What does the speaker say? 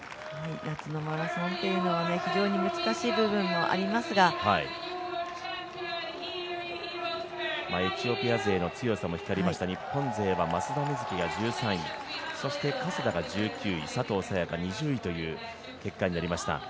夏のマラソンというのは非常に難しい部分もありますがエチオピアの強さも光りました、日本勢は松田瑞生が１３位、そして加世田が１９位佐藤早也伽２０位という結果になりました。